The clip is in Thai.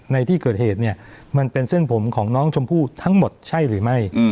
ในที่เกิดเหตุเนี่ยมันเป็นเส้นผมของน้องชมพู่ทั้งหมดใช่หรือไม่